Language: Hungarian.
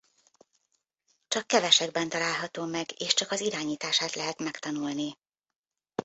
Csak kevesekben található meg és csak az irányítását lehet megtanulni.